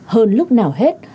hơn lúc nào hết